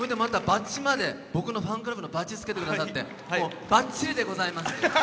僕のファンクラブのバッジつけてくださってばっちりでございます！